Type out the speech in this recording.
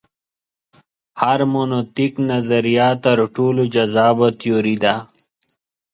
هرمنوتیک نظریه تر ټولو جذابه تیوري ده.